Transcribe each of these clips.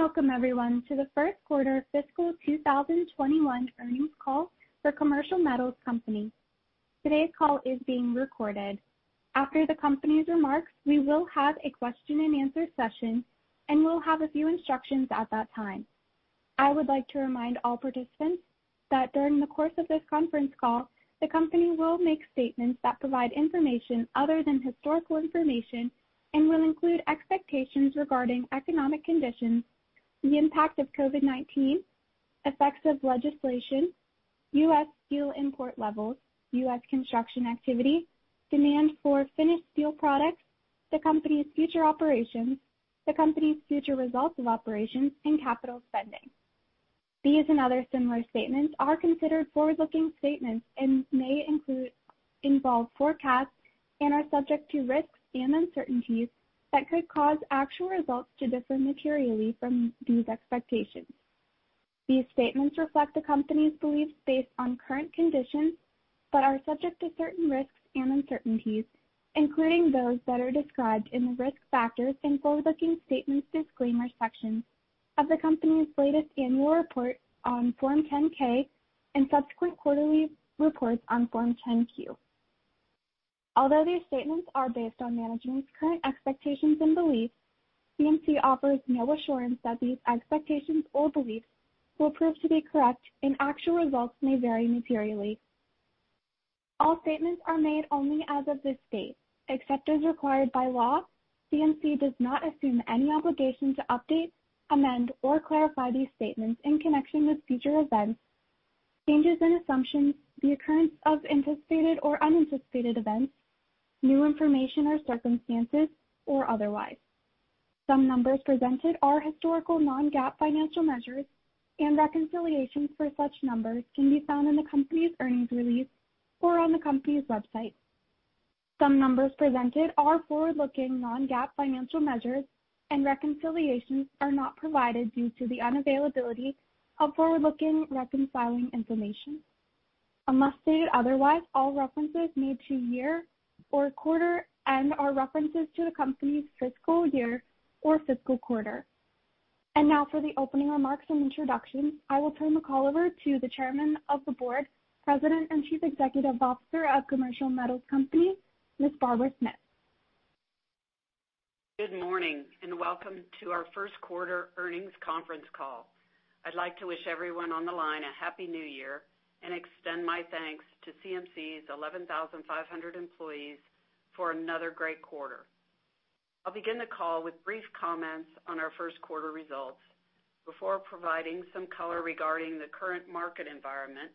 Hello, and welcome, everyone, to the first quarter fiscal 2021 earnings call for Commercial Metals Company. Today's call is being recorded. After the company's remarks, we will have a question and answer session, and we'll have a few instructions at that time. I would like to remind all participants that during the course of this conference call, the company will make statements that provide information other than historical information and will include expectations regarding economic conditions, the impact of COVID-19, effects of legislation, U.S. steel import levels, U.S. construction activity, demand for finished steel products, the company's future operations, the company's future results of operations, and capital spending. These and other similar statements are considered forward-looking statements and may involve forecasts and are subject to risks and uncertainties that could cause actual results to differ materially from these expectations. These statements reflect the company's beliefs based on current conditions, but are subject to certain risks and uncertainties, including those that are described in the Risk Factors and Forward-Looking Statements Disclaimer section of the company's latest annual report on Form 10-K and subsequent quarterly reports on Form 10-Q. Although these statements are based on management's current expectations and beliefs, CMC offers no assurance that these expectations or beliefs will prove to be correct, and actual results may vary materially. All statements are made only as of this date. Except as required by law, CMC does not assume any obligation to update, amend, or clarify these statements in connection with future events, changes in assumptions, the occurrence of anticipated or unanticipated events, new information or circumstances, or otherwise. Some numbers presented are historical non-GAAP financial measures, and reconciliations for such numbers can be found in the company's earnings release or on the company's website. Some numbers presented are forward-looking non-GAAP financial measures, and reconciliations are not provided due to the unavailability of forward-looking reconciling information. Unless stated otherwise, all references made to year or quarter end are references to the company's fiscal year or fiscal quarter. Now for the opening remarks and introductions. I will turn the call over to the Chairman of the Board, President, and Chief Executive Officer of Commercial Metals Company, Ms. Barbara Smith. Good morning, and welcome to our first quarter earnings conference call. I'd like to wish everyone on the line a Happy New Year and extend my thanks to CMC's 11,500 employees for another great quarter. I'll begin the call with brief comments on our first quarter results before providing some color regarding the current market environment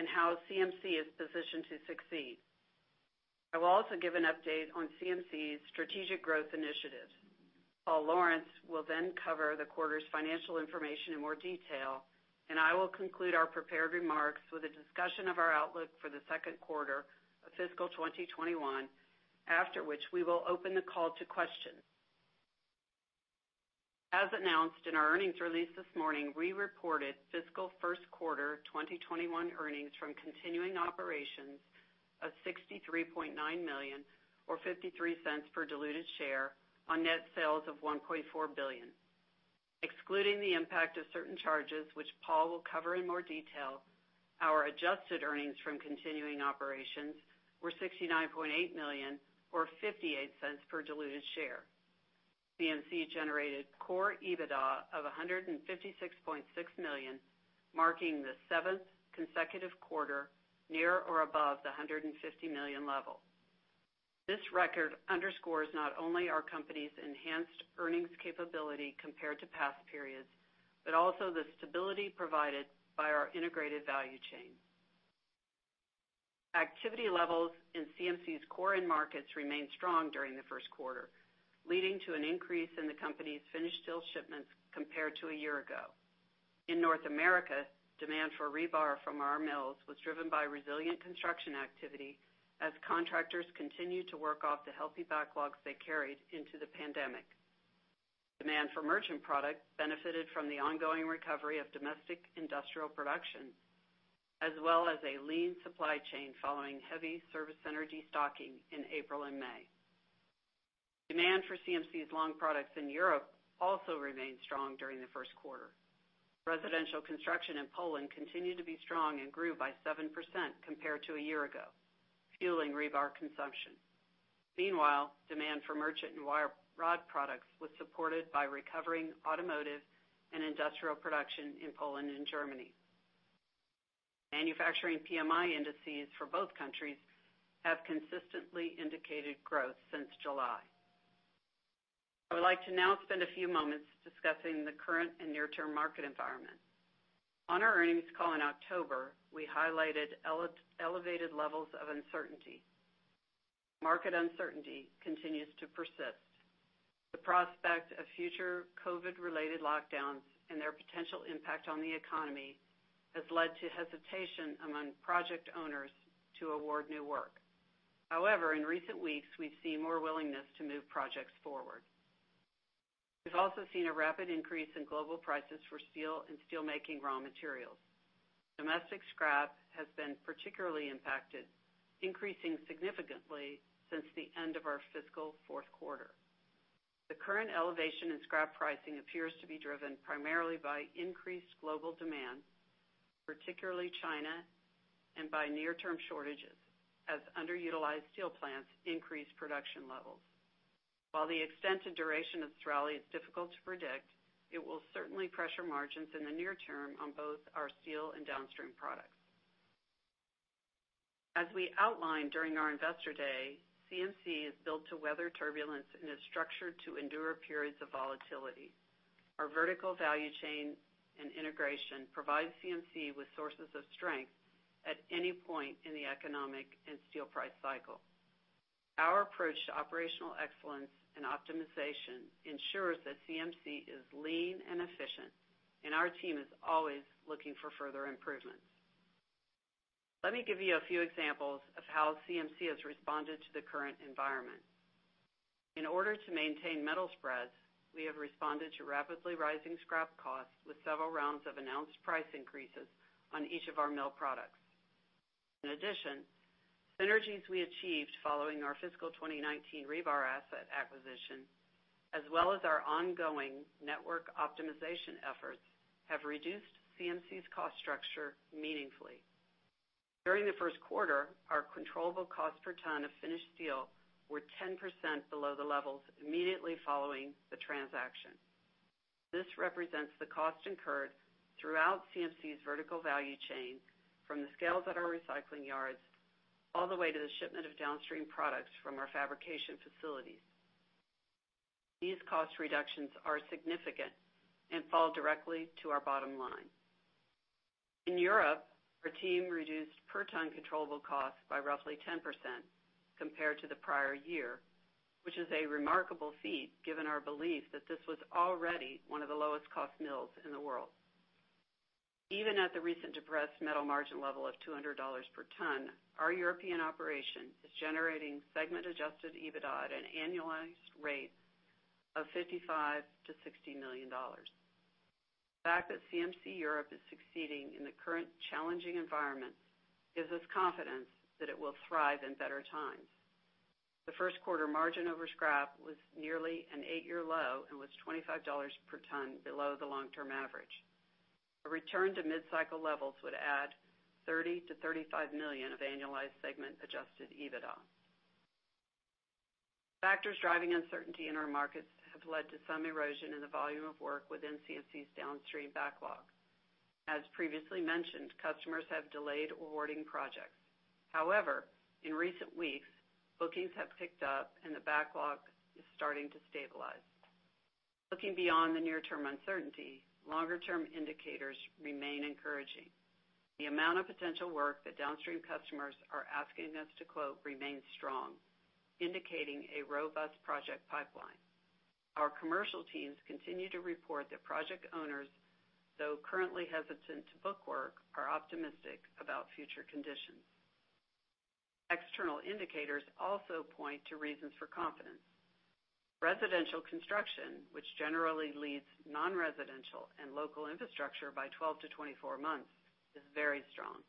and how CMC is positioned to succeed. I will also give an update on CMC's strategic growth initiatives. Paul Lawrence will then cover the quarter's financial information in more detail. I will conclude our prepared remarks with a discussion of our outlook for the second quarter of fiscal 2021, after which we will open the call to questions. As announced in our earnings release this morning, we reported fiscal first quarter 2021 earnings from continuing operations of $63.9 million, or $0.53 per diluted share on net sales of $1.4 billion. Excluding the impact of certain charges, which Paul will cover in more detail, our adjusted earnings from continuing operations were $69.8 million, or $0.58 per diluted share. CMC generated core EBITDA of $156.6 million, marking the seventh consecutive quarter near or above the $150 million level. This record underscores not only our company's enhanced earnings capability compared to past periods, but also the stability provided by our integrated value chain. Activity levels in CMC's core end markets remained strong during the first quarter, leading to an increase in the company's finished steel shipments compared to a year ago. In North America, demand for rebar from our mills was driven by resilient construction activity as contractors continued to work off the healthy backlogs they carried into the pandemic. Demand for merchant bar benefited from the ongoing recovery of domestic industrial production, as well as a lean supply chain following heavy service center stocking in April and May. Demand for CMC's long products in Europe also remained strong during the first quarter. Residential construction in Poland continued to be strong and grew by 7% compared to a year ago, fueling rebar consumption. Meanwhile, demand for merchant and wire rod products was supported by recovering automotive and industrial production in Poland and Germany. Manufacturing PMI indices for both countries have consistently indicated growth since July. I would like to now spend a few moments discussing the current and near-term market environment. On our earnings call in October, we highlighted elevated levels of uncertainty. Market uncertainty continues to persist. The prospect of future COVID-related lockdowns and their potential impact on the economy has led to hesitation among project owners to award new work. However, in recent weeks, we've seen more willingness to move projects forward. We've also seen a rapid increase in global prices for steel and steelmaking raw materials. Domestic scrap has been particularly impacted, increasing significantly since the end of our fiscal fourth quarter. The current elevation in scrap pricing appears to be driven primarily by increased global demand, particularly China, and by near-term shortages as underutilized steel plants increase production levels. While the extent and duration of this rally is difficult to predict, it will certainly pressure margins in the near term on both our steel and downstream products. As we outlined during our investor day, CMC is built to weather turbulence and is structured to endure periods of volatility. Our vertical value chain and integration provide CMC with sources of strength at any point in the economic and steel price cycle. Our approach to operational excellence and optimization ensures that CMC is lean and efficient, and our team is always looking for further improvements. Let me give you a few examples of how CMC has responded to the current environment. In order to maintain metal spreads, we have responded to rapidly rising scrap costs with several rounds of announced price increases on each of our mill products. In addition, synergies we achieved following our fiscal 2019 rebar asset acquisition, as well as our ongoing network optimization efforts, have reduced CMC's cost structure meaningfully. During the first quarter, our controllable cost per ton of finished steel were 10% below the levels immediately following the transaction. This represents the cost incurred throughout CMC's vertical value chain, from the scales at our recycling yards, all the way to the shipment of downstream products from our fabrication facilities. These cost reductions are significant and fall directly to our bottom line. In Europe, our team reduced per-ton controllable costs by roughly 10% compared to the prior year, which is a remarkable feat given our belief that this was already one of the lowest-cost mills in the world. Even at the recent depressed metal margin level of $200 per ton, our European operation is generating segment-adjusted EBITDA at an annualized rate of $55 million-$60 million. The fact that CMC Europe is succeeding in the current challenging environment gives us confidence that it will thrive in better times. The first quarter margin over scrap was nearly an eight-year low and was $25 per ton below the long-term average. A return to mid-cycle levels would add $30 million-$35 million of annualized segment-adjusted EBITDA. Factors driving uncertainty in our markets have led to some erosion in the volume of work within CMC's downstream backlog. As previously mentioned, customers have delayed awarding projects. However, in recent weeks, bookings have picked up and the backlog is starting to stabilize. Looking beyond the near-term uncertainty, longer-term indicators remain encouraging. The amount of potential work that downstream customers are asking us to quote remains strong, indicating a robust project pipeline. Our commercial teams continue to report that project owners, though currently hesitant to book work, are optimistic about future conditions. External indicators also point to reasons for confidence. Residential construction, which generally leads non-residential and local infrastructure by 12-24 months, is very strong.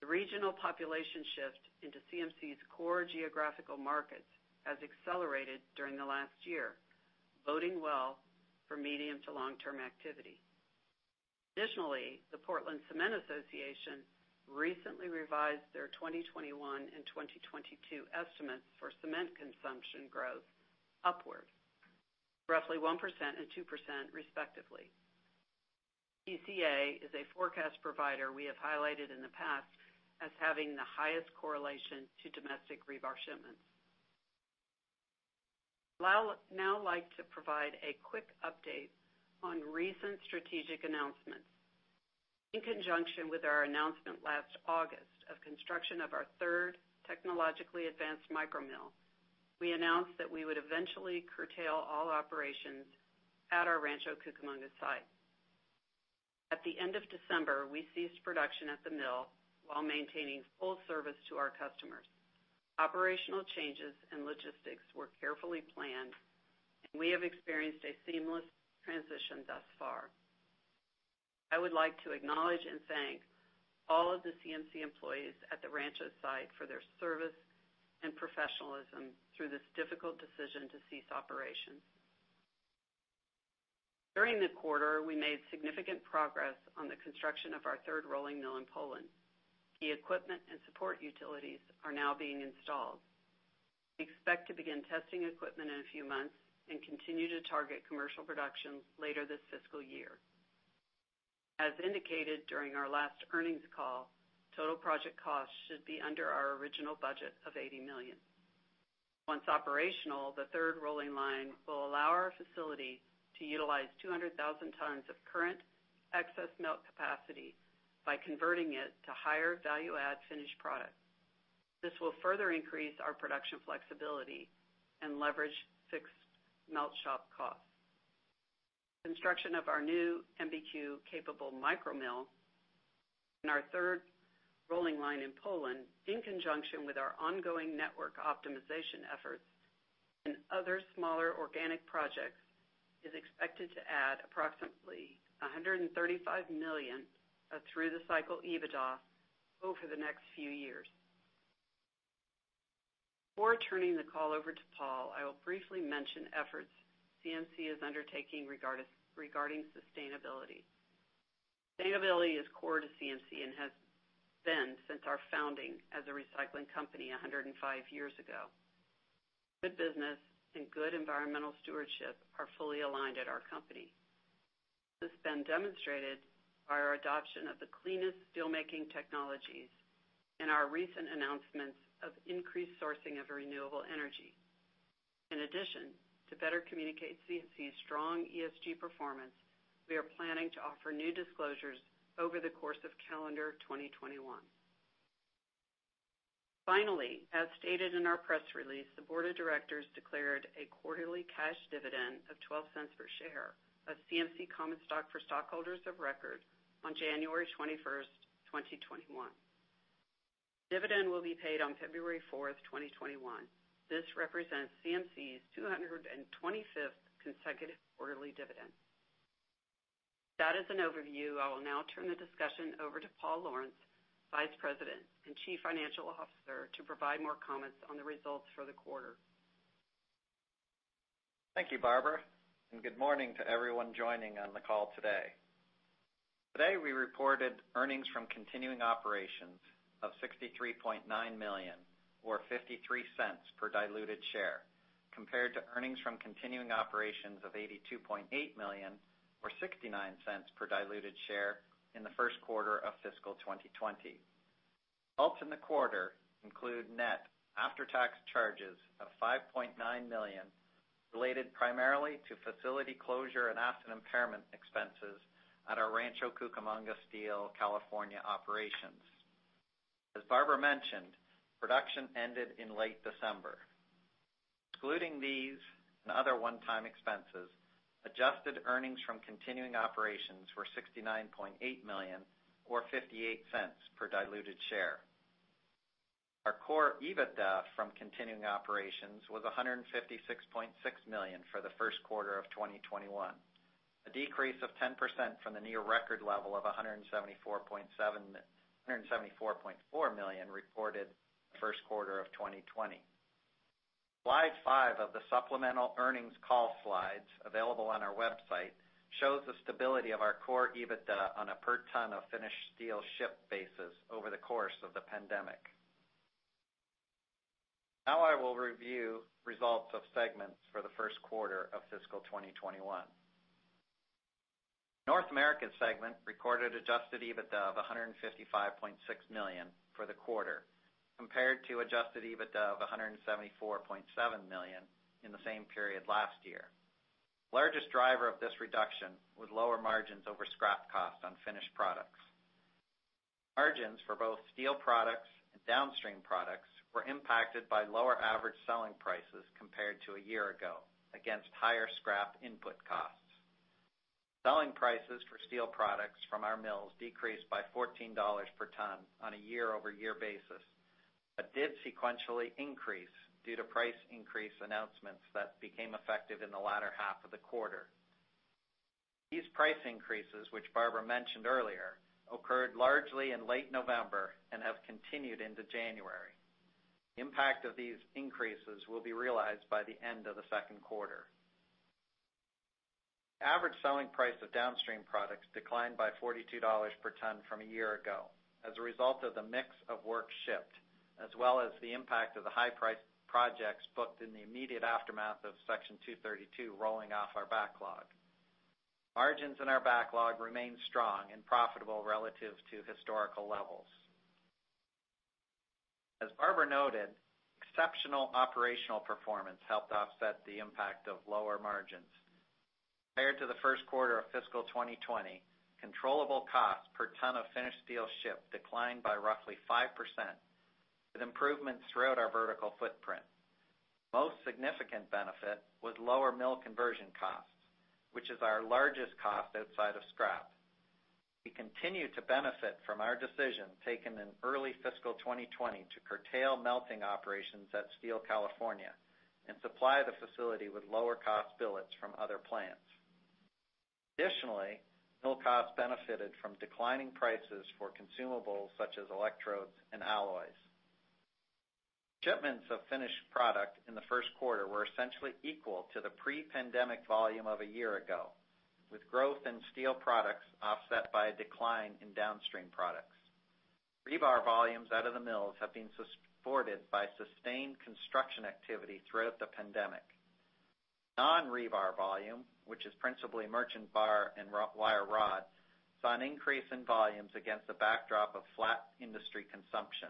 The regional population shift into CMC's core geographical markets has accelerated during the last year, boding well for medium to long-term activity. Additionally, the Portland Cement Association recently revised their 2021 and 2022 estimates for cement consumption growth upward. Roughly 1% and 2% respectively. PCA is a forecast provider we have highlighted in the past as having the highest correlation to domestic rebar shipments. I would now like to provide a quick update on recent strategic announcements. In conjunction with our announcement last August of construction of our third technologically advanced micro mill, we announced that we would eventually curtail all operations at our Rancho Cucamonga site. At the end of December, we ceased production at the mill while maintaining full service to our customers. Operational changes and logistics were carefully planned, and we have experienced a seamless transition thus far. I would like to acknowledge and thank all of the CMC employees at the Rancho site for their service and professionalism through this difficult decision to cease operations. During the quarter, we made significant progress on the construction of our third rolling mill in Poland. Key equipment and support utilities are now being installed. We expect to begin testing equipment in a few months and continue to target commercial production later this fiscal year. As indicated during our last earnings call, total project costs should be under our original budget of $80 million. Once operational, the third rolling line will allow our facility to utilize 200,000 tons of current excess melt capacity by converting it to higher value add finished product. This will further increase our production flexibility and leverage fixed melt shop costs. Construction of our new MBQ-capable micro mill and our third rolling line in Poland, in conjunction with our ongoing network optimization efforts and other smaller organic projects, is expected to add approximately $135 million of through-the-cycle EBITDA over the next few years. Before turning the call over to Paul, I will briefly mention efforts CMC is undertaking regarding sustainability. Sustainability is core to CMC and has been since our founding as a recycling company 105 years ago. Good business and good environmental stewardship are fully aligned at our company. This has been demonstrated by our adoption of the cleanest steelmaking technologies and our recent announcements of increased sourcing of renewable energy. In addition, to better communicate CMC's strong ESG performance, we are planning to offer new disclosures over the course of calendar 2021. Finally, as stated in our press release, the board of directors declared a quarterly cash dividend of $0.12 per share of CMC common stock for stockholders of record on January 21, 2021. The dividend will be paid on February 4, 2021. This represents CMC's 225th consecutive quarterly dividend. That is an overview. I will now turn the discussion over to Paul Lawrence, Vice President and Chief Financial Officer, to provide more comments on the results for the quarter. Thank you, Barbara, and good morning to everyone joining on the call today. Today, we reported earnings from continuing operations of $63.9 million, or $0.53 per diluted share, compared to earnings from continuing operations of $82.8 million or $0.69 per diluted share in the first quarter of fiscal 2020. Results in the quarter include net after-tax charges of $5.9 million, related primarily to facility closure and asset impairment expenses at our Rancho Cucamonga Steel California operations. As Barbara mentioned, production ended in late December. Excluding these and other one-time expenses, adjusted earnings from continuing operations were $69.8 million or $0.58 per diluted share. Our core EBITDA from continuing operations was $156.6 million for the first quarter of 2021, a decrease of 10% from the near record level of $174.4 million reported first quarter of 2020. Slide five of the supplemental earnings call slides available on our website shows the stability of our core EBITDA on a per ton of finished steel ship basis over the course of the pandemic. Now I will review results of segments for the first quarter of fiscal 2021. North American segment recorded adjusted EBITDA of $155.6 million for the quarter, compared to adjusted EBITDA of $174.7 million in the same period last year. Largest driver of this reduction was lower margins over scrap cost on finished products. Margins for both steel products and downstream products were impacted by lower average selling prices compared to a year ago against higher scrap input costs. Selling prices for steel products from our mills decreased by $14 per ton on a year-over-year basis, but did sequentially increase due to price increase announcements that became effective in the latter half of the quarter. These price increases, which Barbara mentioned earlier, occurred largely in late November and have continued into January. Impact of these increases will be realized by the end of the second quarter. Average selling price of downstream products declined by $42 per ton from a year ago as a result of the mix of work shipped, as well as the impact of the high price projects booked in the immediate aftermath of Section 232 rolling off our backlog. Margins in our backlog remain strong and profitable relative to historical levels. As Barbara noted, exceptional operational performance helped offset the impact of lower margins. Prior to the first quarter of fiscal 2020, controllable costs per ton of finished steel shipped declined by roughly 5%, with improvements throughout our vertical footprint. Most significant benefit was lower mill conversion costs, which is our largest cost outside of scrap. We continue to benefit from our decision taken in early fiscal 2020 to curtail melting operations at Steel California and supply the facility with lower cost billets from other plants. Additionally, mill costs benefited from declining prices for consumables such as electrodes and alloys. Shipments of finished product in the first quarter were essentially equal to the pre-pandemic volume of a year ago, with growth in steel products offset by a decline in downstream products. Rebar volumes out of the mills have been supported by sustained construction activity throughout the pandemic. Non-rebar volume, which is principally merchant bar and wire rod, saw an increase in volumes against a backdrop of flat industry consumption.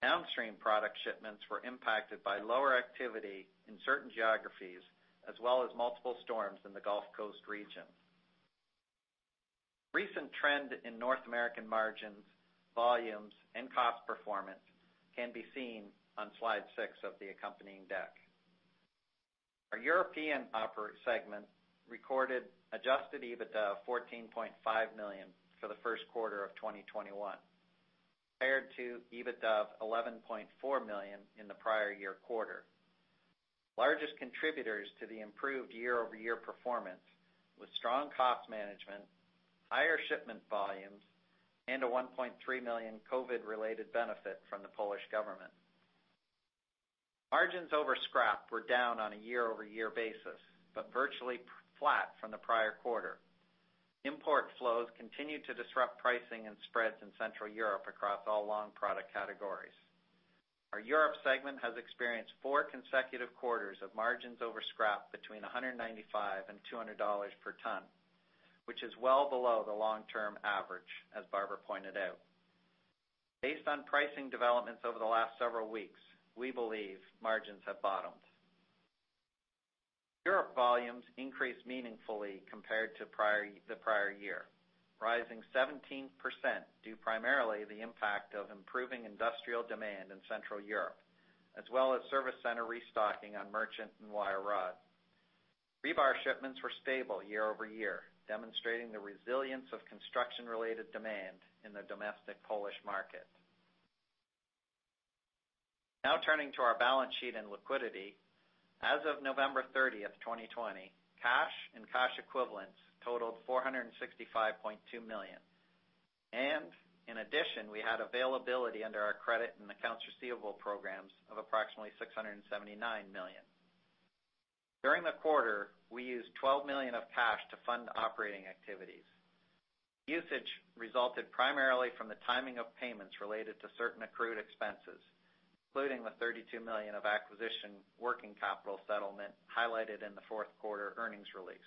Downstream product shipments were impacted by lower activity in certain geographies, as well as multiple storms in the Gulf Coast region. Recent trend in North American margins, volumes, and cost performance can be seen on slide six of the accompanying deck. Our European operations segment recorded adjusted EBITDA of $14.5 million for the first quarter of 2021, compared to EBITDA of $11.4 million in the prior year quarter. Largest contributors to the improved year-over-year performance was strong cost management, higher shipment volumes, and a $1.3 million COVID-related benefit from the Polish government. Margins over scrap were down on a year-over-year basis, but virtually flat from the prior quarter. Import flows continued to disrupt pricing and spreads in Central Europe across all long product categories. Our Europe Segment has experienced four consecutive quarters of margins over scrap between $195 and $200 per ton, which is well below the long-term average, as Barbara pointed out. Based on pricing developments over the last several weeks, we believe margins have bottomed. Europe volumes increased meaningfully compared to the prior year, rising 17% due primarily the impact of improving industrial demand in Central Europe, as well as service center restocking on merchant and wire rod. Rebar shipments were stable year-over-year, demonstrating the resilience of construction-related demand in the domestic Polish market. Turning to our balance sheet and liquidity. As of November 30th, 2020, cash and cash equivalents totaled $465.2 million. In addition, we had availability under our credit and accounts receivable programs of approximately $679 million. During the quarter, we used $12 million of cash to fund operating activities. Usage resulted primarily from the timing of payments related to certain accrued expenses, including the $32 million of acquisition working capital settlement highlighted in the fourth quarter earnings release.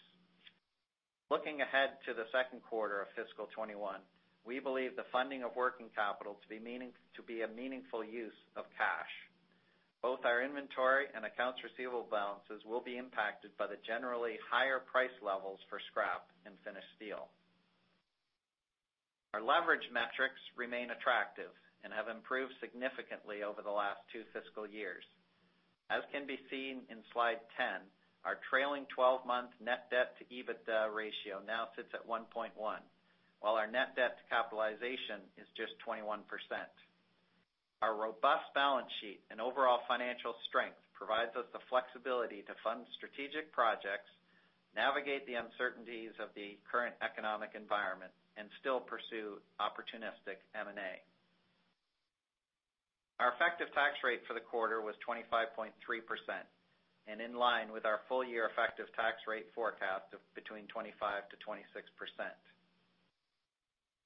Looking ahead to the second quarter of fiscal 2021, we believe the funding of working capital to be a meaningful use of cash. Both our inventory and accounts receivable balances will be impacted by the generally higher price levels for scrap and finished steel. Our leverage metrics remain attractive and have improved significantly over the last two fiscal years. As can be seen in slide 10, our trailing 12-month net debt to EBITDA ratio now sits at 1.1, while our net debt to capitalization is just 21%. Our robust balance sheet and overall financial strength provides us the flexibility to fund strategic projects, navigate the uncertainties of the current economic environment, and still pursue opportunistic M&A. Our effective tax rate for the quarter was 25.3%, and in line with our full-year effective tax rate forecast of between 25%-26%.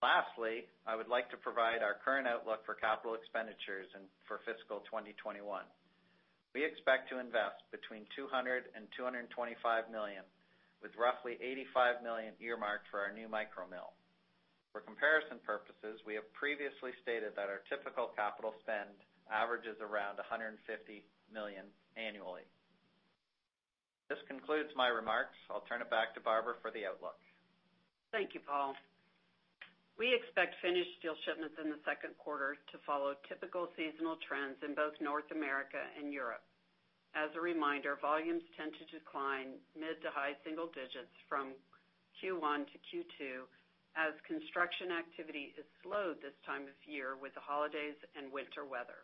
Lastly, I would like to provide our current outlook for capital expenditures for fiscal 2021. We expect to invest between $200 million-$225 million, with roughly $85 million earmarked for our new micro mill. For comparison purposes, we have previously stated that our typical capital spend averages around $150 million annually. This concludes my remarks. I'll turn it back to Barbara for the outlook. Thank you, Paul. We expect finished steel shipments in the second quarter to follow typical seasonal trends in both North America and Europe. As a reminder, volumes tend to decline mid to high single digits from Q1 to Q2 as construction activity is slowed this time of year with the holidays and winter weather.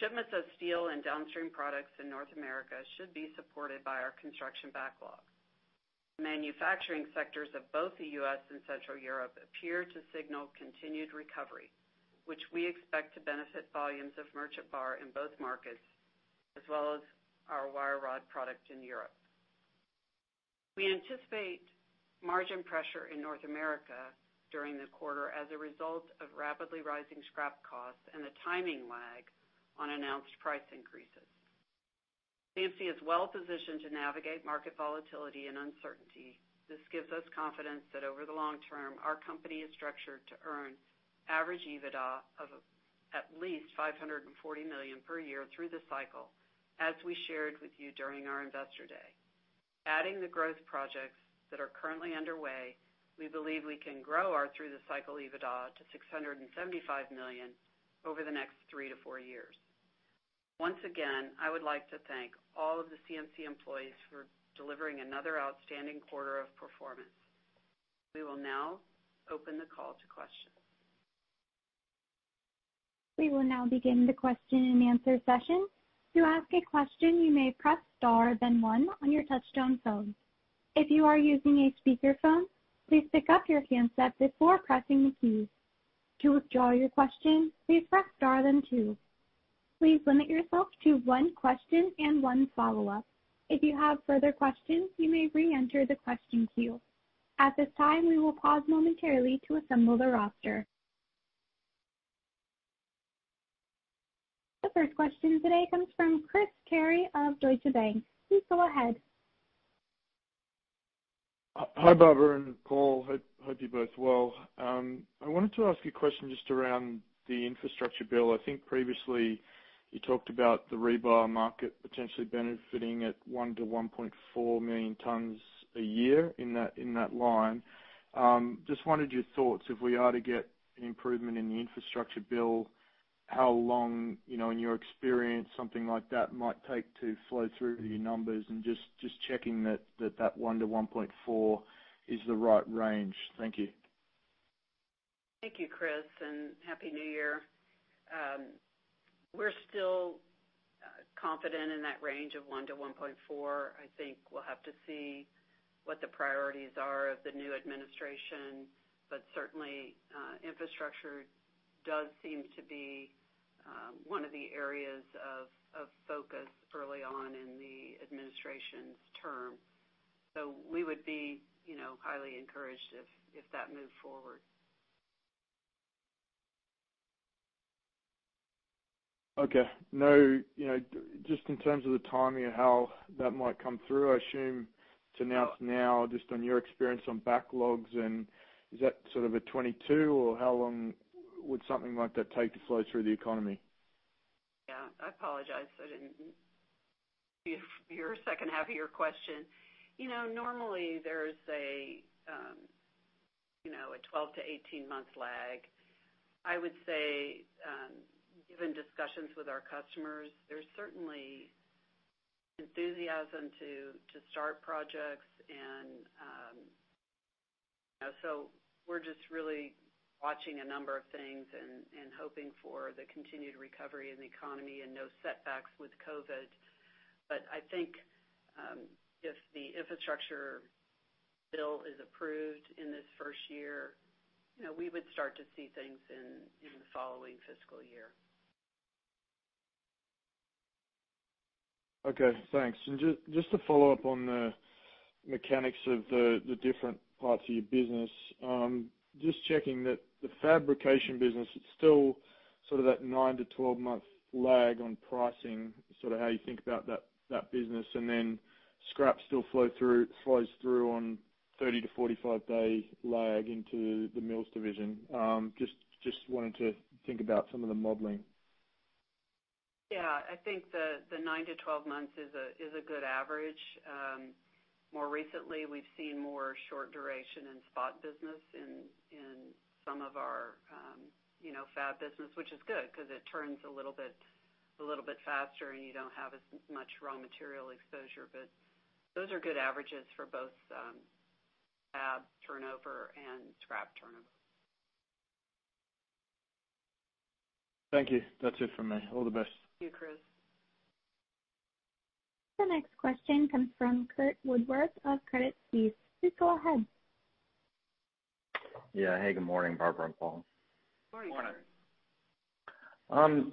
Shipments of steel and downstream products in North America should be supported by our construction backlog. Manufacturing sectors of both the U.S. and Central Europe appear to signal continued recovery, which we expect to benefit volumes of merchant bar in both markets, as well as our wire rod product in Europe. We anticipate margin pressure in North America during the quarter as a result of rapidly rising scrap costs and the timing lag on announced price increases. CMC is well-positioned to navigate market volatility and uncertainty. This gives us confidence that over the long term, our company is structured to earn average EBITDA of at least $540 million per year through the cycle, as we shared with you during our Investor Day. Adding the growth projects that are currently underway, we believe we can grow our through the cycle EBITDA to $675 million over the next three to four years. Once again, I would like to thank all of the CMC employees for delivering another outstanding quarter of performance. We will now open the call to questions. We will now begin the question and answer session. To ask a question, you may press star then one on your touchtone phone. If you are using a speakerphone, please pick up your handset before pressing the keys. To withdraw your question, please press star then two. Please limit yourself to one question and one follow-up. If you have further questions, you may re-enter the question queue. At this time, we will pause momentarily to assemble the roster. The first question today comes from Chris Carey of Deutsche Bank. Please go ahead. Hi, Barbara and Paul. Hope you're both well. I wanted to ask you a question just around the infrastructure bill. I think previously you talked about the rebar market potentially benefiting at 1 million-1.4 million tons a year in that line. Just wanted your thoughts, if we are to get an improvement in the infrastructure bill, how long, in your experience, something like that might take to flow through your numbers? Just checking that 1 million-1.4 million is the right range. Thank you. Thank you, Chris. Happy New Year. We're still confident in that range of 1 million-1.4 million. I think we'll have to see what the priorities are of the new administration. Certainly, infrastructure does seem to be one of the areas of focus early on in the administration's term. We would be highly encouraged if that moved forward. Okay. Just in terms of the timing of how that might come through, I assume to announce now, just on your experience on backlogs, and is that a 2022, or how long would something like that take to flow through the economy? Yeah, I apologize. I didn't hear the second half of your question. Normally, there's a 12-18-month lag. I would say, given discussions with our customers, there's certainly enthusiasm to start projects. We're just really watching a number of things and hoping for the continued recovery in the economy and no setbacks with COVID-19. I think, if the Infrastructure Bill is approved in this first year, we would start to see things in the following fiscal year. Okay, thanks. Just to follow up on the mechanics of the different parts of your business. Just checking that the fabrication business, it's still that nine to 12 month lag on pricing, how you think about that business. Then scrap still flows through on 30-45 day lag into the mills division. Just wanted to think about some of the modeling. Yeah, I think the nine to 12 months is a good average. More recently, we've seen more short duration in spot business in some of our fab business, which is good because it turns a little bit faster, and you don't have as much raw material exposure. Those are good averages for both fab turnover and scrap turnover. Thank you. That's it from me. All the best. Thank you, Chris. The next question comes from Curt Woodworth of Credit Suisse. Please go ahead. Yeah. Hey, good morning, Barbara and Paul. Morning. Morning.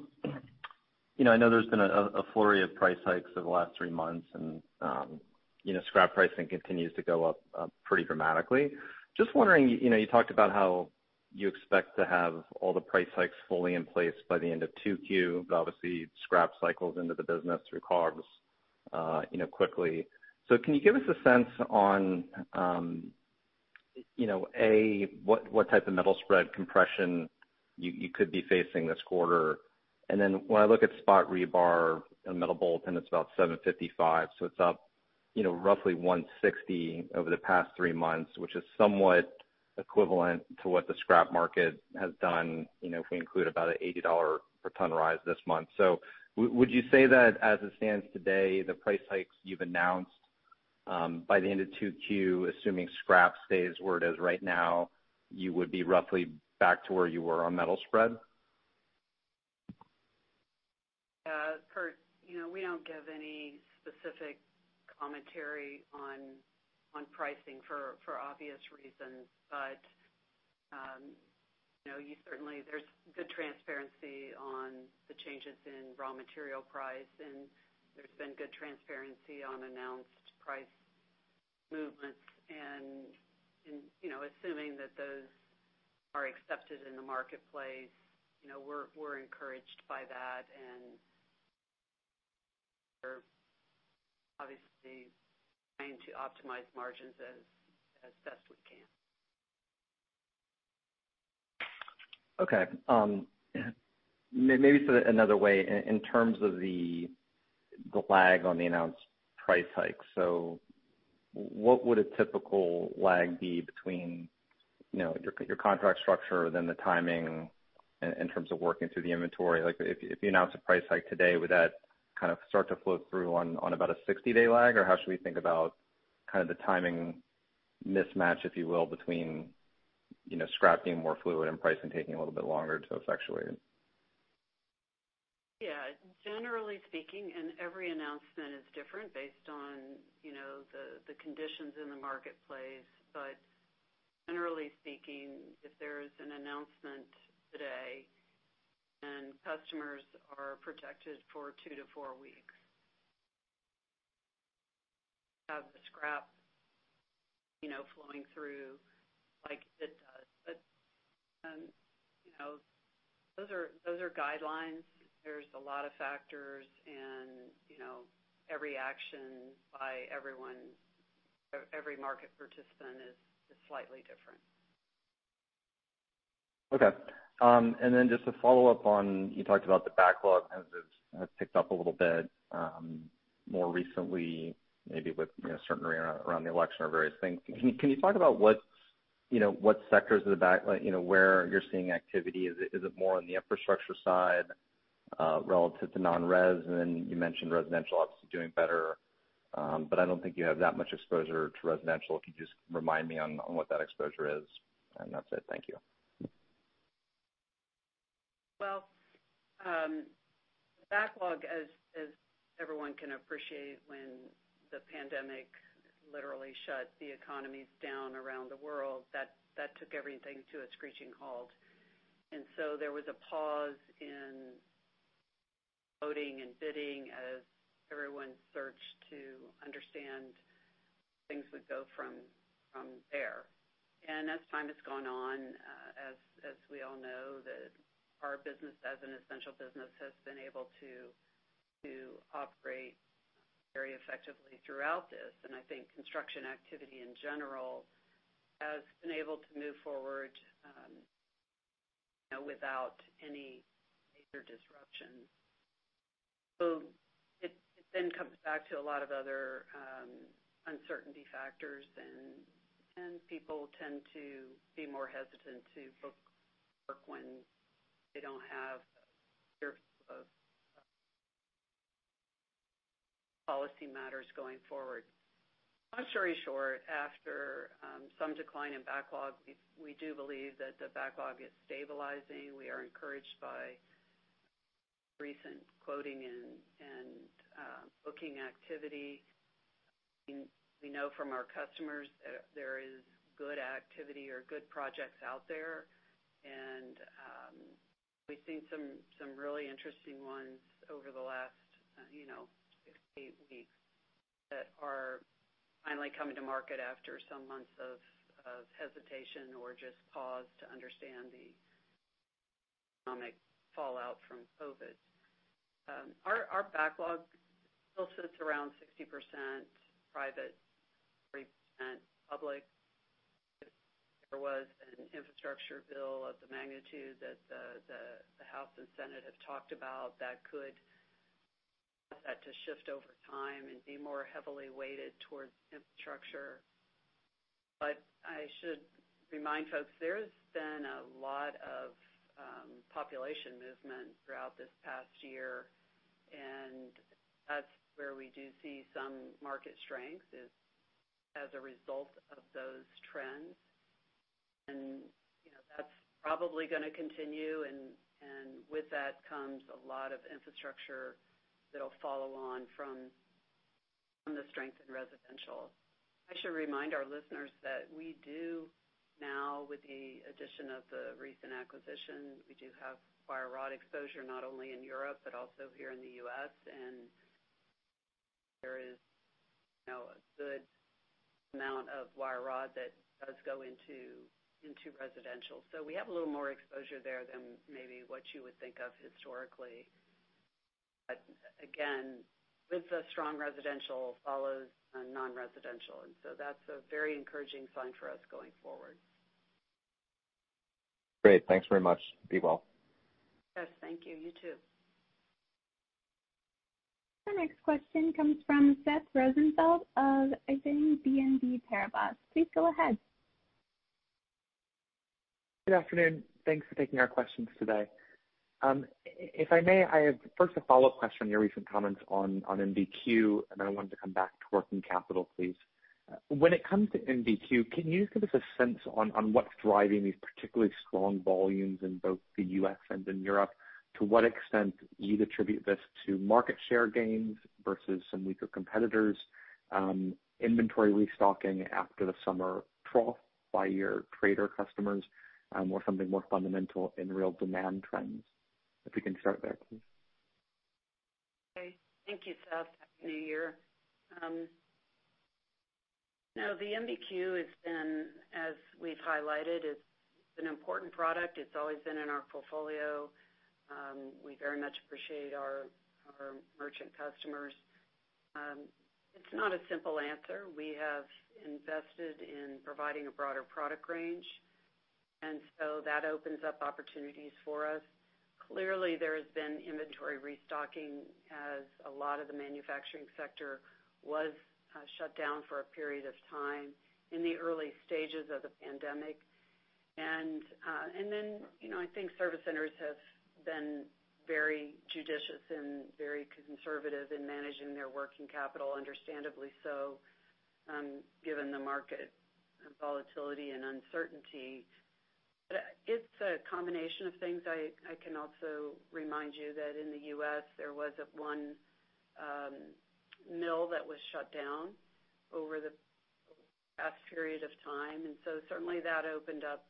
I know there's been a flurry of price hikes over the last three months, and scrap pricing continues to go up pretty dramatically. Just wondering, you talked about how you expect to have all the price hikes fully in place by the end of 2Q, but obviously scrap cycles into the business through COGS quickly. Can you give us a sense on, A, what type of metal spread compression you could be facing this quarter? When I look at spot rebar and metal margin, and it's about 755, so it's up roughly 160 over the past three months, which is somewhat equivalent to what the scrap market has done, if we include about an $80 per ton rise this month. Would you say that as it stands today, the price hikes you've announced, by the end of 2Q, assuming scrap stays where it is right now, you would be roughly back to where you were on metal spread? Curt, we don't give any specific commentary on pricing for obvious reasons. Certainly, there's good transparency on the changes in raw material price, and there's been good transparency on announced price movements. Assuming that those are accepted in the marketplace, we're encouraged by that, and we're obviously trying to optimize margins as best we can. Okay. Maybe said another way, in terms of the lag on the announced price hike. What would a typical lag be between your contract structure, then the timing in terms of working through the inventory? If you announce a price hike today, would that start to flow through on about a 60-day lag, or how should we think about the timing mismatch, if you will, between scrap being more fluid and pricing taking a little bit longer to effectuate? Yeah. Generally speaking, every announcement is different based on the conditions in the marketplace. Generally speaking, if there's an announcement today, then customers are protected for two to four weeks of the scrap flowing through like it does. Those are guidelines. There's a lot of factors. Every action by every market participant is slightly different. Okay. Just to follow up on, you talked about the backlog as it's picked up a little bit, more recently, maybe with certainly around the election or various things. Can you talk about what sectors of the backlog, where you're seeing activity? Is it more on the infrastructure side relative to non-res? You mentioned residential obviously doing better. I don't think you have that much exposure to residential. Can you just remind me on what that exposure is? That's it. Thank you. Well, backlog, as everyone can appreciate, when the pandemic literally shut the economies down around the world, that took everything to a screeching halt. There was a pause in quoting and bidding as everyone searched to understand things would go from there. As time has gone on, as we all know, that our business as an essential business has been able to operate very effectively throughout this. I think construction activity in general has been able to move forward without any major disruption. It then comes back to a lot of other uncertainty factors, and people tend to be more hesitant to book work when they don't have certainty of policy matters going forward. Long story short, after some decline in backlog, we do believe that the backlog is stabilizing. We are encouraged by recent quoting and booking activity. We know from our customers that there is good activity or good projects out there. We've seen some really interesting ones over the last six to eight weeks that are finally coming to market after some months of hesitation or just pause to understand the economic fallout from COVID. Our backlog still sits around 60% private, 40% public. If there was an infrastructure bill of the magnitude that the House and Senate have talked about, that could cause that to shift over time and be more heavily weighted towards infrastructure. I should remind folks, there's been a lot of population movement throughout this past year, and that's where we do see some market strength as a result of those trends. That's probably going to continue, and with that comes a lot of infrastructure that'll follow on from the strength in residential. I should remind our listeners that we do now, with the addition of the recent acquisition, we do have wire rod exposure, not only in Europe but also here in the U.S. There is a good amount of wire rod that does go into residential. We have a little more exposure there than maybe what you would think of historically. Again, with a strong residential follows a non-residential. That's a very encouraging sign for us going forward. Great. Thanks very much. Be well. Yes, thank you. You too. Our next question comes from Seth Rosenfeld of, I think, BNP Paribas. Please go ahead. Good afternoon. Thanks for taking our questions today. If I may, I have first a follow-up question on your recent comments on MBQ, and then I wanted to come back to working capital, please. When it comes to MBQ, can you give us a sense on what's driving these particularly strong volumes in both the U.S. and in Europe? To what extent do you attribute this to market share gains versus some weaker competitors, inventory restocking after the summer trough by your trader customers, or something more fundamental in real demand trends? If we can start there, please. Okay. Thank you, Seth. Happy New Year. The MBQ has been, as we've highlighted, it's an important product. It's always been in our portfolio. We very much appreciate our merchant customers. It's not a simple answer. We have invested in providing a broader product range, that opens up opportunities for us. Clearly, there has been inventory restocking as a lot of the manufacturing sector was shut down for a period of time in the early stages of the pandemic. I think service centers have been very judicious and very conservative in managing their working capital, understandably so, given the market volatility and uncertainty. It's a combination of things. I can also remind you that in the U.S., there was one mill that was shut down over the past period of time, certainly that opened up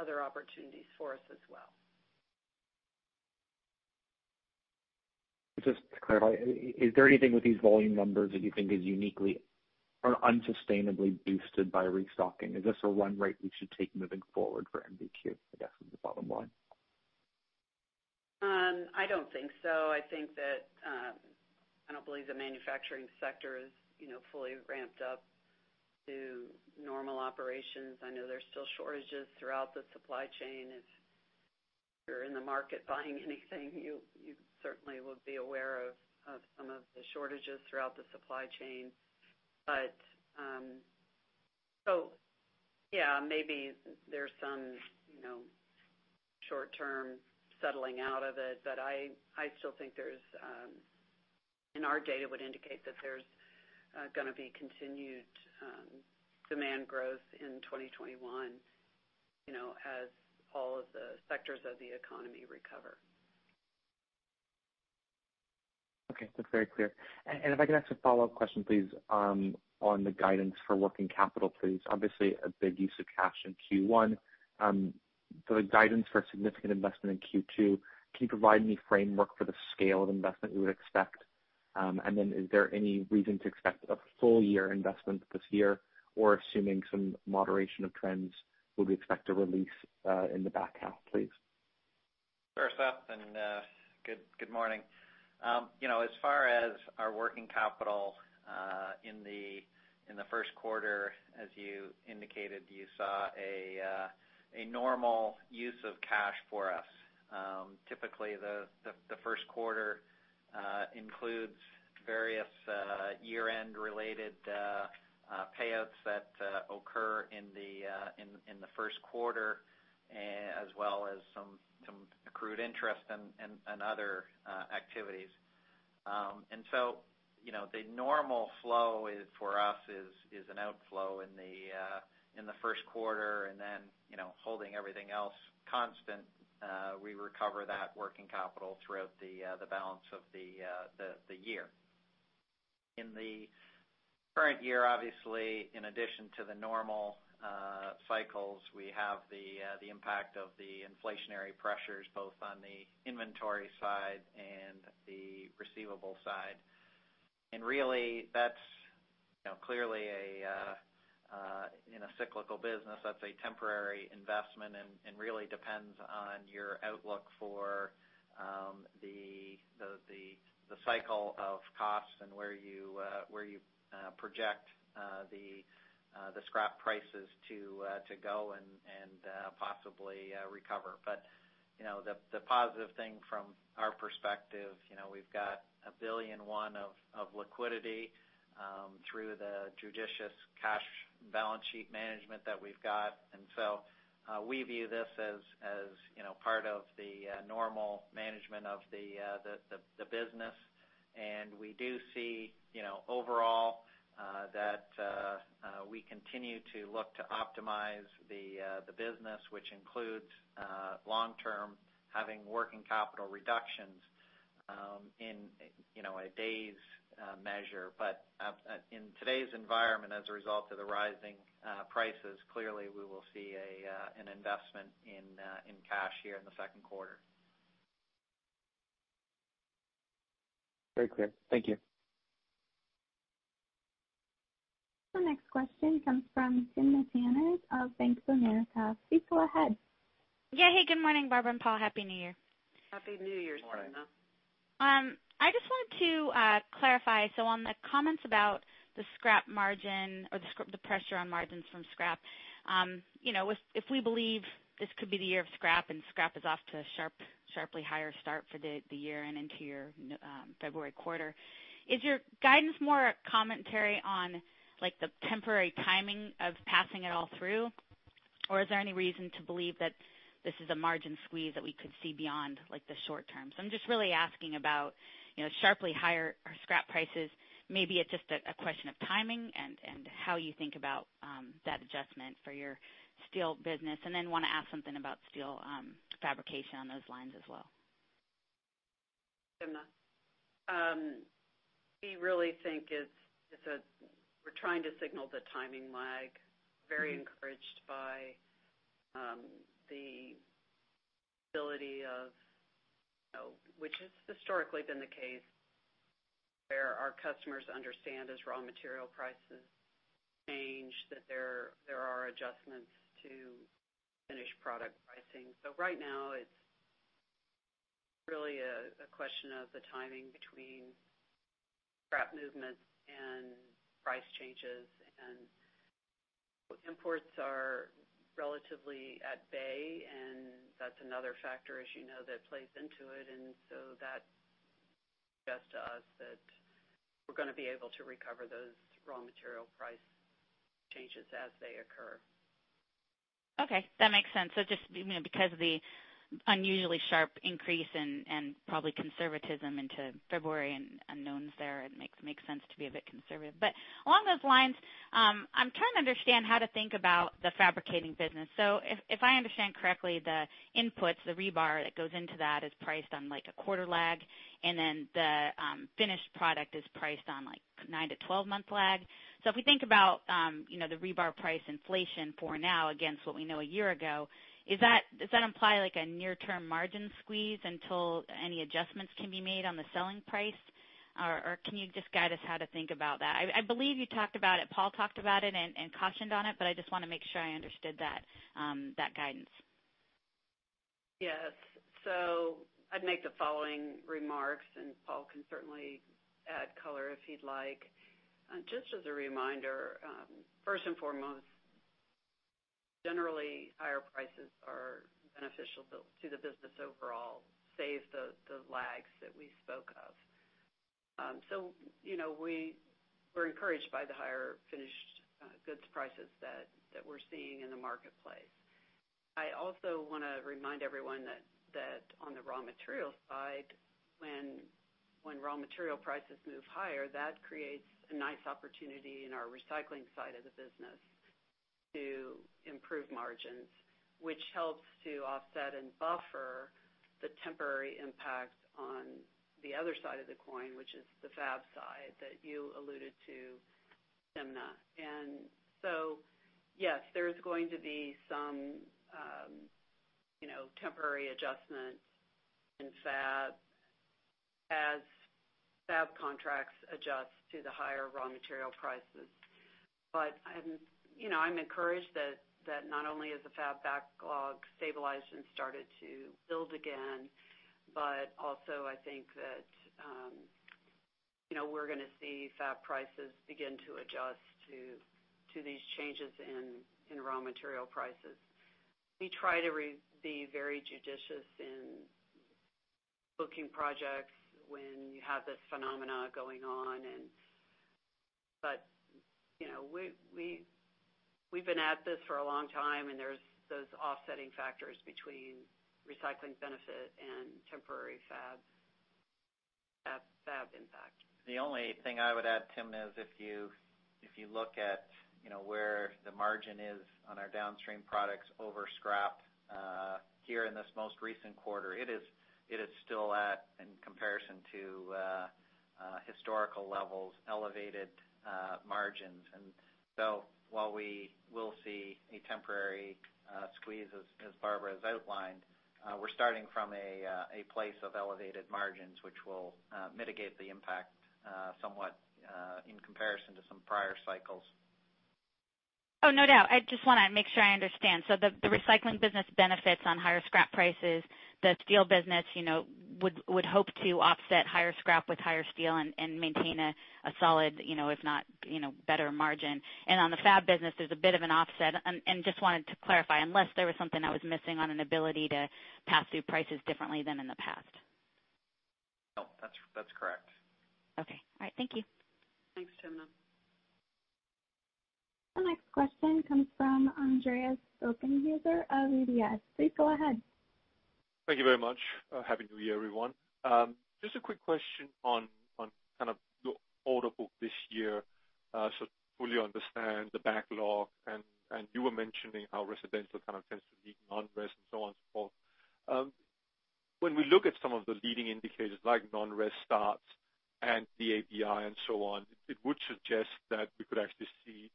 other opportunities for us as well. Just to clarify, is there anything with these volume numbers that you think is uniquely or unsustainably boosted by restocking? Is this a run rate we should take moving forward for MBQ, I guess, is the bottom line? I don't think so. I don't believe the manufacturing sector is fully ramped up to normal operations. I know there's still shortages throughout the supply chain as you're in the market buying anything, you certainly would be aware of some of the shortages throughout the supply chain. Yeah, maybe there's some short-term settling out of it, but I still think, and our data would indicate that there's going to be continued demand growth in 2021, as all of the sectors of the economy recover. Okay, that's very clear. If I could ask a follow-up question, please, on the guidance for working capital, please. Obviously, a big use of cash in Q1. The guidance for a significant investment in Q2, can you provide any framework for the scale of investment we would expect? Is there any reason to expect a full-year investment this year? Assuming some moderation of trends, would we expect a release in the back half, please? Sure, Seth, good morning. As far as our working capital, in the first quarter, as you indicated, you saw a normal use of cash for us. Typically, the first quarter includes various year-end related payouts that occur in the first quarter, as well as some accrued interest and other activities. The normal flow for us is an outflow in the first quarter. Holding everything else constant, we recover that working capital throughout the balance of the year. In the current year, obviously, in addition to the normal cycles, we have the impact of the inflationary pressures, both on the inventory side and the receivable side. Really, that's clearly, in a cyclical business, that's a temporary investment and really depends on your outlook for the cycle of costs and where you project the scrap prices to go and possibly recover. The positive thing from our perspective, we've got $1.1 billion of liquidity through the judicious cash balance sheet management that we've got. We view this as part of the normal management of the business. We do see, overall, that we continue to look to optimize the business, which includes long-term having working capital reductions in a days measure. In today's environment, as a result of the rising prices, clearly we will see an investment in cash here in the second quarter. Very clear. Thank you. The next question comes from Timna Tanners of Bank of America. Please go ahead. Yeah. Hey, good morning, Barbara and Paul. Happy New Year. Happy New Year, Timna. Morning. I just wanted to clarify on the comments about the scrap margin or the pressure on margins from scrap. If we believe this could be the year of scrap and scrap is off to sharply higher start for the year and into your February quarter, is your guidance more a commentary on the temporary timing of passing it all through? Or is there any reason to believe that this is a margin squeeze that we could see beyond the short term? I'm just really asking about sharply higher scrap prices. Maybe it's just a question of timing and how you think about that adjustment for your steel business, and then want to ask something about steel fabrication on those lines as well. Timna. We really think we're trying to signal the timing lag. Very encouraged by the ability of, which has historically been the case, where our customers understand as raw material prices change, that there are adjustments to finished product pricing. Right now, it's really a question of the timing between scrap movements and price changes. Imports are relatively at bay, and that's another factor, as you know, that plays into it. That suggests to us that we're going to be able to recover those raw material price changes as they occur. Okay, that makes sense. Just because of the unusually sharp increase in, and probably conservatism into February and unknowns there, it makes sense to be a bit conservative. Along those lines, I'm trying to understand how to think about the fabricating business. If I understand correctly, the inputs, the rebar that goes into that is priced on a quarter lag, and then the finished product is priced on nine to 12 month lag. If we think about the rebar price inflation for now against what we know a year ago, does that imply a near-term margin squeeze until any adjustments can be made on the selling price? Can you just guide us how to think about that? I believe you talked about it, Paul talked about it and cautioned on it, but I just want to make sure I understood that guidance. Yes. I'd make the following remarks. Paul can certainly add color if he'd like. Just as a reminder, first and foremost, generally higher prices are beneficial to the business overall, saves the lags that we spoke of. We're encouraged by the higher finished goods prices that we're seeing in the marketplace. I also want to remind everyone that on the raw materials side, when raw material prices move higher, that creates a nice opportunity in our recycling side of the business to improve margins, which helps to offset and buffer the temporary impact on the other side of the coin, which is the fab side that you alluded to, Timna. Yes, there's going to be some temporary adjustments in fab as fab contracts adjust to the higher raw material prices. I'm encouraged that not only has the fab backlog stabilized and started to build again, but also I think that we're going to see fab prices begin to adjust to these changes in raw material prices. We try to be very judicious in booking projects when you have this phenomena going on. We've been at this for a long time, and there's those offsetting factors between recycling benefit and temporary fab impact. The only thing I would add, Timna, is if you look at where the margin is on our downstream products over scrap here in this most recent quarter, it is still at, in comparison to historical levels, elevated margins. While we will see a temporary squeeze, as Barbara has outlined, we're starting from a place of elevated margins, which will mitigate the impact somewhat in comparison to some prior cycles. Oh, no doubt. I just want to make sure I understand. The recycling business benefits on higher scrap prices. The steel business would hope to offset higher scrap with higher steel and maintain a solid, if not better margin. On the fab business, there's a bit of an offset. Just wanted to clarify, unless there was something I was missing on an ability to pass through prices differently than in the past. No, that's correct. Okay. All right, thank you. Thanks, Timna. The next question comes from Andreas Bokkenheuser of UBS. Please go ahead. Thank you very much. Happy New Year, everyone. Just a quick question on kind of your order book this year. To fully understand the backlog. You were mentioning how residential kind of tends to lead non-res and so on and so forth. When we look at some of the leading indicators like non-res starts and the ABI and so on, it would suggest that we could actually see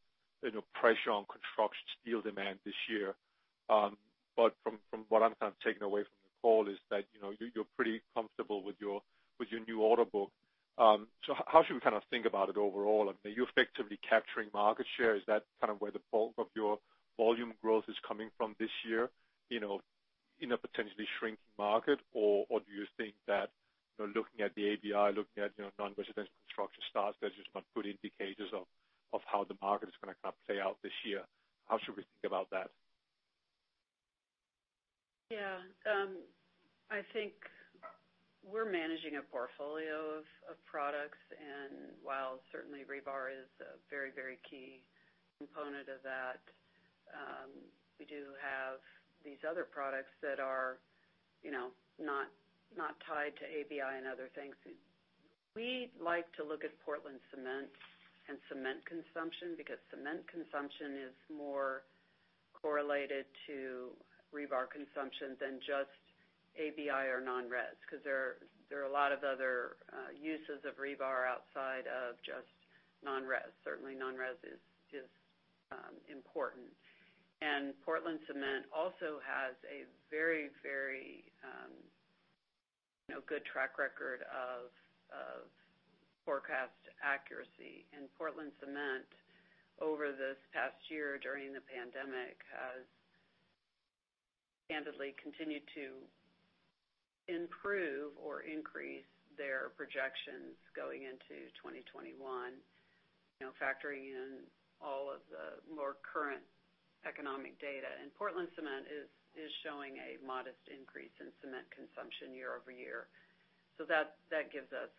pressure on construction steel demand this year. From what I'm kind of taking away from the call is that you're pretty comfortable with your new order book. How should we kind of think about it overall? Are you effectively capturing market share? Is that kind of where the bulk of your volume growth is coming from this year, in a potentially shrinking market? Do you think that looking at the ABI, looking at non-residential construction starts, they're just not good indicators of how the market is going to kind of play out this year? How should we think about that? Yeah. I think we're managing a portfolio of products, and while certainly rebar is a very key component of that, we do have these other products that are not tied to ABI and other things. We like to look at Portland Cement and cement consumption because cement consumption is more correlated to rebar consumption than just ABI or non-res, because there are a lot of other uses of rebar outside of just non-res. Certainly, non-res is important. Portland Cement also has a very good track record of forecast accuracy. Portland Cement over this past year, during the pandemic, has candidly continued to improve or increase their projections going into 2021, factoring in all of the more current economic data. Portland Cement is showing a modest increase in cement consumption year-over-year. That gives us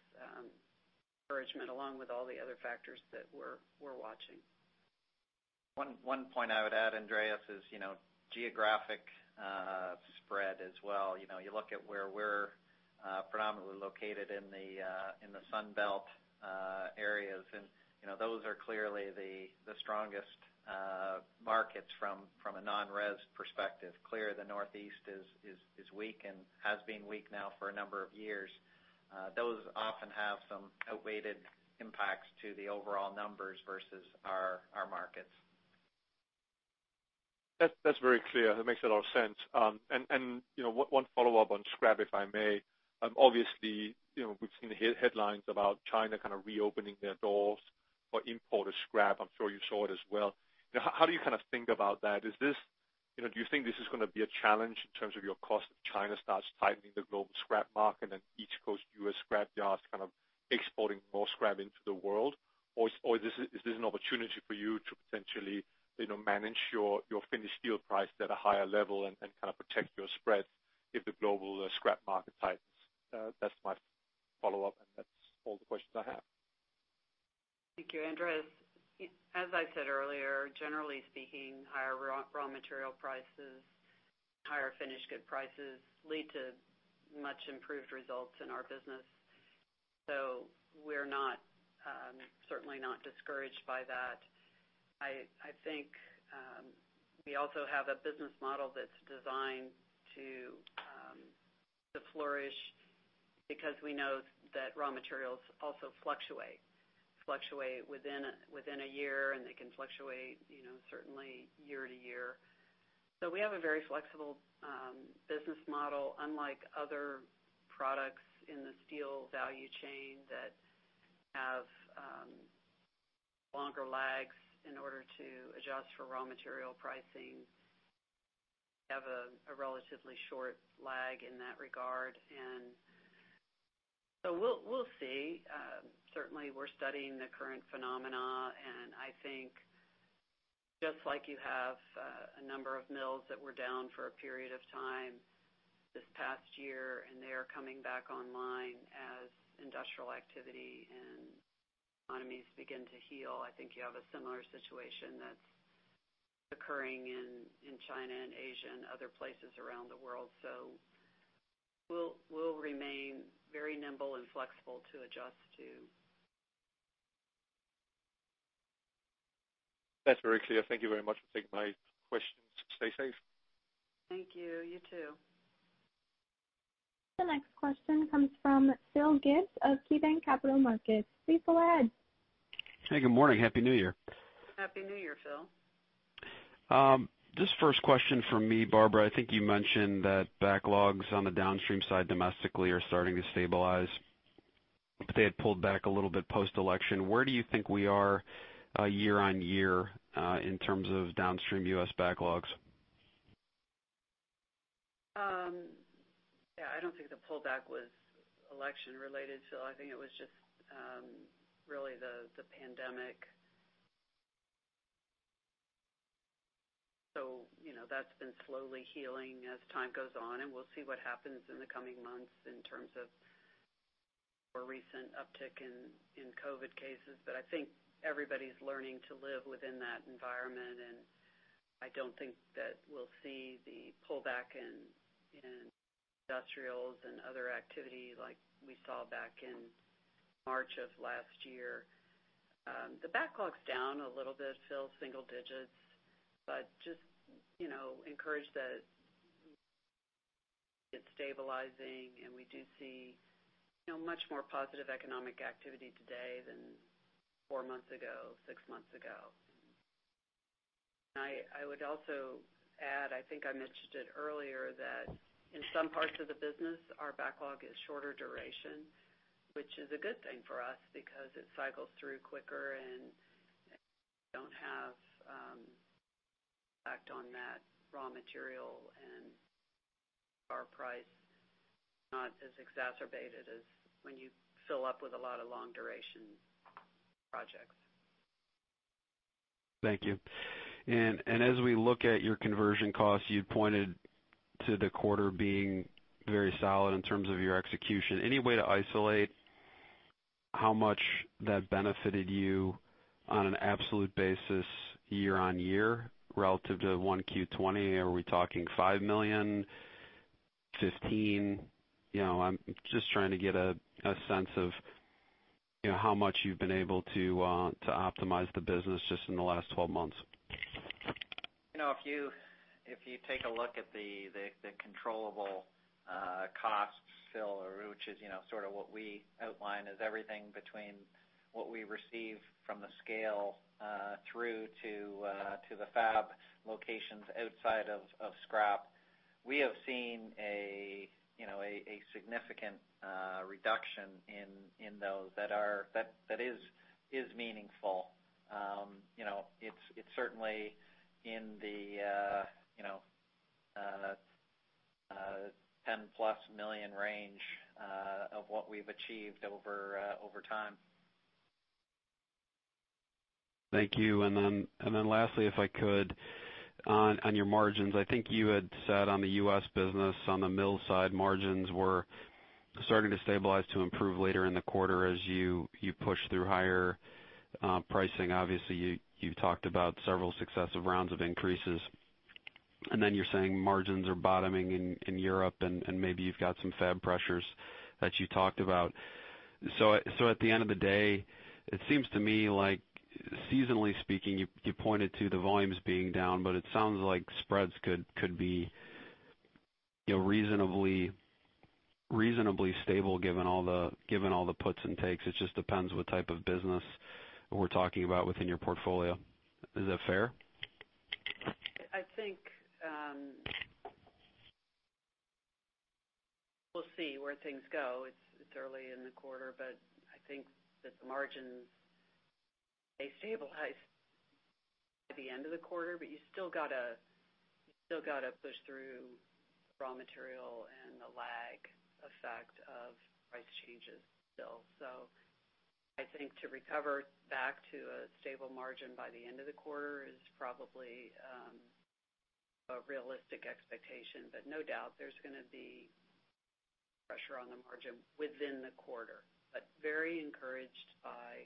encouragement along with all the other factors that we're watching. One point I would add, Andreas, is geographic spread as well. You look at where we're predominantly located in the Sun Belt areas, and those are clearly the strongest markets from a non-res perspective. Clearly, the Northeast is weak and has been weak now for a number of years. Those often have some outweighed impacts to the overall numbers versus our markets. That's very clear. That makes a lot of sense. One follow-up on scrap, if I may. Obviously, we've seen the headlines about China kind of reopening their doors for import scrap. I'm sure you saw it as well. How do you think about that? Do you think this is going to be a challenge in terms of your cost if China starts tightening the global scrap market and then East Coast U.S. scrap yards kind of exporting more scrap into the world? Is this an opportunity for you to potentially manage your finished steel price at a higher level and kind of protect your spread if the global scrap market tightens? That's my follow-up, and that's all the questions I have. Thank you, Andreas. As I said earlier, generally speaking, higher raw material prices, higher finished good prices lead to much-improved results in our business. We're certainly not discouraged by that. I think we also have a business model that's designed to flourish because we know that raw materials also fluctuate. Fluctuate within a year, and they can fluctuate certainly year to year. We have a very flexible business model. Unlike other products in the steel value chain that have longer lags in order to adjust for raw material pricing, we have a relatively short lag in that regard. We'll see. Certainly, we're studying the current phenomena, and I think just like you have a number of mills that were down for a period of time this past year, and they are coming back online as industrial activity and economies begin to heal. I think you have a similar situation that's occurring in China and Asia and other places around the world. We'll remain very nimble and flexible to adjust too. That's very clear. Thank you very much for taking my questions. Stay safe. Thank you. You too. The next question comes from Phil Gibbs of KeyBanc Capital Markets. Phil, go ahead. Hey, good morning. Happy New Year. Happy New Year, Phil. First question from me, Barbara. I think you mentioned that backlogs on the downstream side domestically are starting to stabilize, but they had pulled back a little bit post-election. Where do you think we are year-on-year in terms of downstream U.S. backlogs? Yeah, I don't think the pullback was election-related, Phil. I think it was just really the pandemic. That's been slowly healing as time goes on, and we'll see what happens in the coming months in terms of a more recent uptick in COVID cases. I think everybody's learning to live within that environment, and I don't think that we'll see the pullback in industrials and other activity like we saw back in March of last year. The backlog's down a little bit, Phil, single digits, but just encouraged that it's stabilizing, and we do see much more positive economic activity today than four months ago, six months ago. I would also add, I think I mentioned it earlier, that in some parts of the business, our backlog is shorter duration, which is a good thing for us because it cycles through quicker, and we don't have an impact on that raw material, and our price is not as exacerbated as when you fill up with a lot of long-duration projects. Thank you. As we look at your conversion costs, you'd pointed to the quarter being very solid in terms of your execution. Any way to isolate how much that benefited you on an absolute basis year-over-year relative to Q1 2020? Are we talking $5 million, $15 million? I'm just trying to get a sense of how much you've been able to optimize the business just in the last 12 months. If you take a look at the controllable costs, Phil, which is sort of what we outline as everything between what we receive from the scale through to the fab locations outside of scrap. We have seen a significant reduction in those that is meaningful. It's certainly in the $10-plus million range of what we've achieved over time. Thank you. Lastly, if I could, on your margins. I think you had said on the U.S. business, on the mill side, margins were starting to stabilize to improve later in the quarter as you push through higher pricing. Obviously, you've talked about several successive rounds of increases, and then you're saying margins are bottoming in Europe, and maybe you've got some fab pressures that you talked about. At the end of the day, it seems to me like seasonally speaking, you pointed to the volumes being down, but it sounds like spreads could be reasonably stable given all the puts and takes. It just depends what type of business we're talking about within your portfolio. Is that fair? Where things go, it's early in the quarter, but I think that the margins, they stabilize at the end of the quarter, but you still got to push through raw material and the lag effect of price changes still. I think to recover back to a stable margin by the end of the quarter is probably a realistic expectation. No doubt, there's going to be pressure on the margin within the quarter. Very encouraged by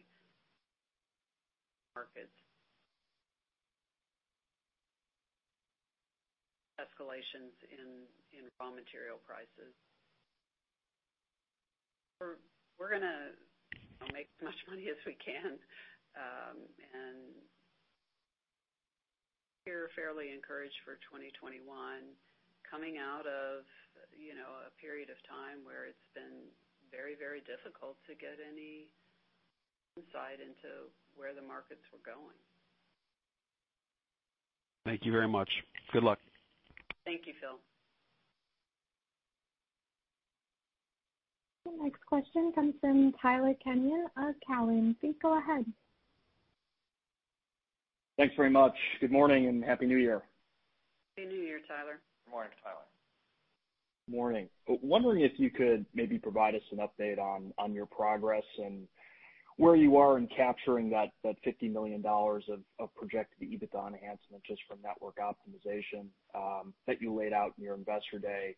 markets. Escalations in raw material prices. We're going to make as much money as we can and we're fairly encouraged for 2021, coming out of a period of time where it's been very difficult to get any insight into where the markets were going. Thank you very much. Good luck. Thank you, Phil. The next question comes from Tyler Kenyon of Cowen. Please go ahead. Thanks very much. Good morning, and Happy New Year. Happy New Year, Tyler. Good morning, Tyler. Morning. Wondering if you could maybe provide us an update on your progress and where you are in capturing that $50 million of projected EBITDA enhancement just from network optimization that you laid out in your investor day.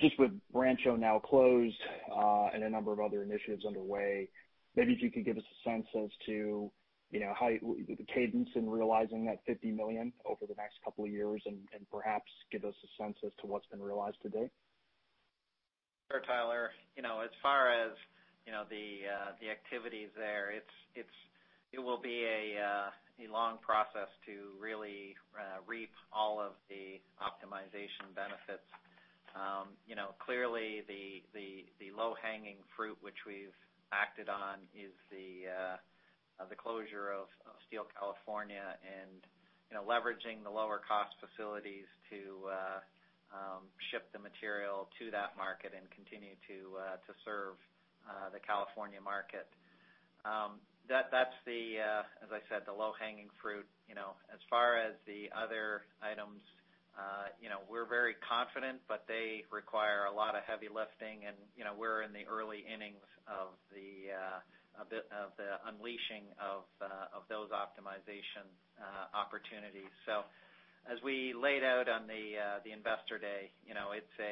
Just with Rancho now closed, and a number of other initiatives underway, maybe if you could give us a sense as to the cadence in realizing that $50 million over the next couple of years and perhaps give us a sense as to what's been realized to date. Sure, Tyler. As far as the activities there, it will be a long process to really reap all of the optimization benefits. Clearly, the low-hanging fruit, which we've acted on, is the closure of Steel California and leveraging the lower-cost facilities to ship the material to that market and continue to serve the California market. That's the, as I said, low-hanging fruit. As far as the other items, we're very confident, but they require a lot of heavy lifting, and we're in the early innings of the unleashing of those optimization opportunities. As we laid out on the investor day, it's a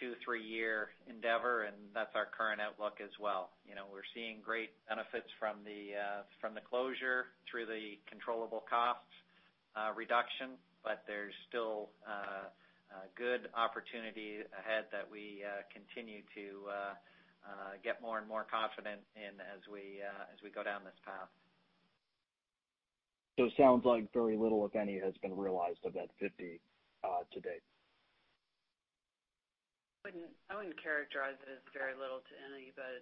two, three-year endeavor, and that's our current outlook as well. We're seeing great benefits from the closure through the controllable cost reduction, but there's still a good opportunity ahead that we continue to get more and more confident in as we go down this path. It sounds like very little, if any, has been realized of that $50 to date. I wouldn't characterize it as very little to any, but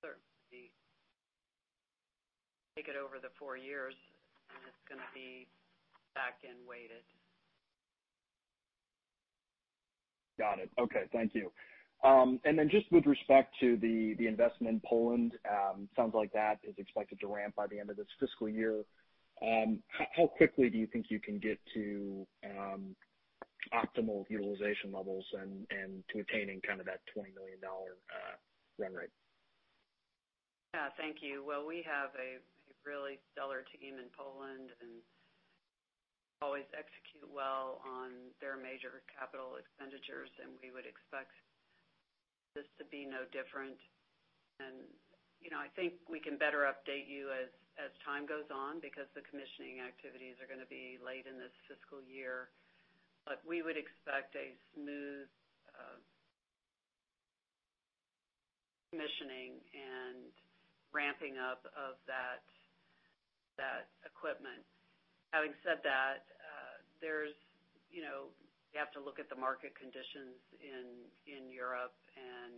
certainly take it over the four years, and it's going to be back end weighted. Got it. Okay. Thank you. Just with respect to the investment in Poland, sounds like that is expected to ramp by the end of this fiscal year. How quickly do you think you can get to optimal utilization levels and to attaining that $20 million run rate? Yeah. Thank you. Well, we have a really stellar team in Poland, and always execute well on their major capital expenditures, and we would expect this to be no different. I think we can better update you as time goes on because the commissioning activities are going to be late in this fiscal year. We would expect a smooth commissioning and ramping up of that equipment. Having said that, you have to look at the market conditions in Europe, and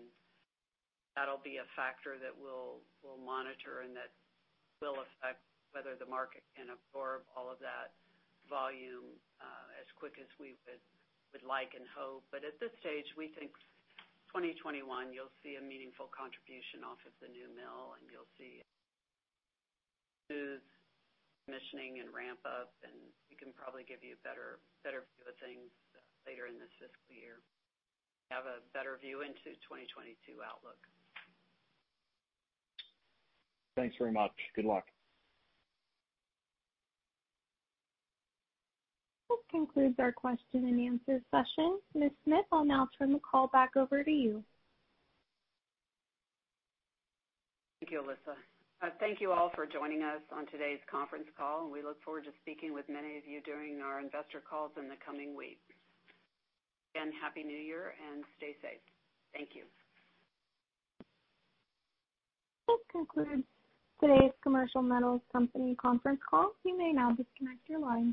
that'll be a factor that we'll monitor and that will affect whether the market can absorb all of that volume as quick as we would like and hope. At this stage, we think 2021, you'll see a meaningful contribution off of the new mill, and you'll see smooth commissioning and ramp-up, and we can probably give you a better view of things later in this fiscal year. We have a better view into 2022 outlook. Thanks very much. Good luck. This concludes our question and answer session. Ms. Smith, I'll now turn the call back over to you. Thank you, Alyssa. Thank you all for joining us on today's conference call. We look forward to speaking with many of you during our investor calls in the coming weeks. Again, Happy New Year, and stay safe. Thank you. This concludes today's Commercial Metals Company conference call. You may now disconnect your line.